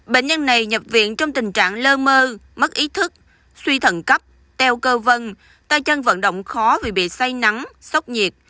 bệnh nhân này nhập viện trong tình trạng lơ mơ mất ý thức suy thận cấp teo cơ vân tay chân vận động khó vì bị say nắng sốc nhiệt